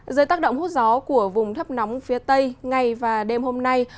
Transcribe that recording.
dưới tác động hút gió của vùng thấp nóng phía tây ngày và đêm hôm nay